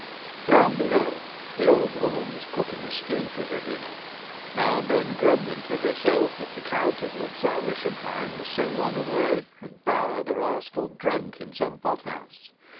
Down below, the old woman was cooking a stew for her dinner, now and then grumbling to herself that the Count of Luzau Rischenheim was so long away, and Bauer, the rascal, drunk in some pot house.